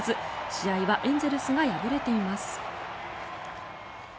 試合はエンゼルスが敗れています。